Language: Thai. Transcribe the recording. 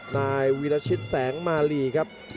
นายวีลชิทธรแสงมารีครับ